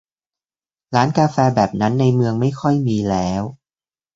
ร้านกาแฟแบบนั้นในเมืองไม่ค่อยมีแล้ว